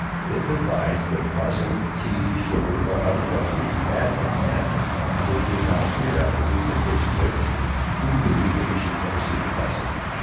If advised that a parcel of tea, sugar or other luxuries had been sent and it did not appear after weeks of patient waiting, we knew that we should never see that parcel.